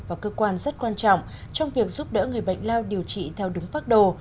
và cơ quan rất quan trọng trong việc giúp đỡ người bệnh lao điều trị theo đúng phác đồ